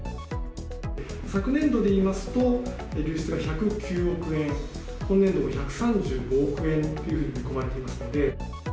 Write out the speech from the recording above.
昨年度でいいますと、流出が１０９億円、本年度も１３５億円というふうに見込まれていますので。